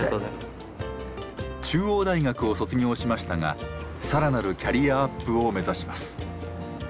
中央大学を卒業しましたがさらなるキャリアアップを目指します。